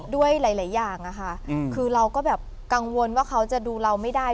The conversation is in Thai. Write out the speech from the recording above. ด้วยหลายอย่างอะค่ะคือเราก็แบบกังวลว่าเขาจะดูเราไม่ได้